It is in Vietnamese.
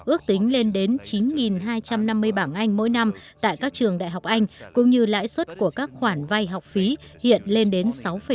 ước tính lên đến chín hai trăm năm mươi bảng anh mỗi năm tại các trường đại học anh cũng như lãi suất của các khoản vay học phí hiện lên đến sáu bảy